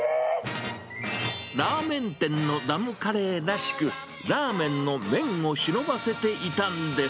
ラーメン店のダムカレーらしく、ラーメンの麺を忍ばせていたんです。